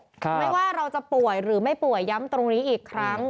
ไม่ว่าเราจะป่วยหรือไม่ป่วยย้ำตรงนี้อีกครั้ง